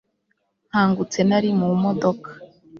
Nkangutse nari mu modoka